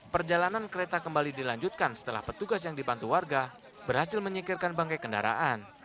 perjalanan kereta kembali dilanjutkan setelah petugas yang dibantu warga berhasil menyikirkan bangkai kendaraan